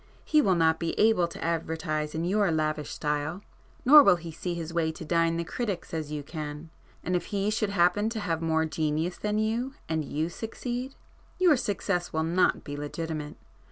He will not be able to advertise in your lavish style,—nor will he see his way to dine the critics as you can. And if he should happen to have more genius than you, and you succeed, your success will not be legitimate.